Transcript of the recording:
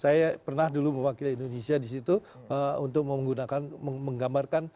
saya pernah dulu mewakili indonesia disitu untuk menggunakan menggambarkan